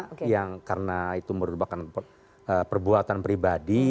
karena yang karena itu merupakan perbuatan pribadi